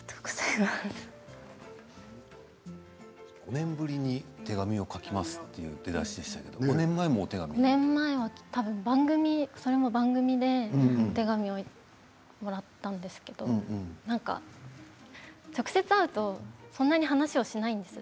５年ぶりに手紙を書きますという出だしでしたけれども５年前も、それも番組でお手紙をもらったんですけれどなんか直接会うとそんなに話をしなんです。